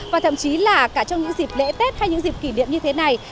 và thậm chí là cả trong những dịp lễ tết hay những dịp kỷ niệm như thế này